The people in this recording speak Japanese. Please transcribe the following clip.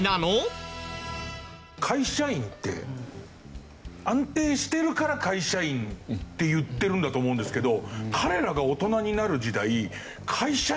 会社員って安定してるから会社員って言ってるんだと思うんですけどハハハハ。